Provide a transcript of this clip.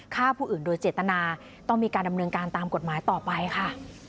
ฆ่าผู้อื่นโดยเจตนาต้องมีการดำเนินการตามกฎหมายต่อไปค่ะ